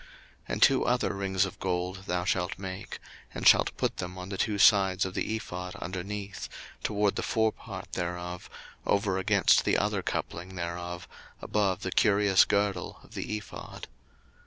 02:028:027 And two other rings of gold thou shalt make, and shalt put them on the two sides of the ephod underneath, toward the forepart thereof, over against the other coupling thereof, above the curious girdle of the ephod.